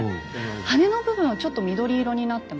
羽の部分はちょっと緑色になってますね。